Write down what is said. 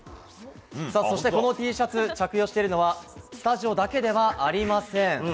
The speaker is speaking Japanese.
そしてこのＴシャツ着用しているのはスタジオだけではありません。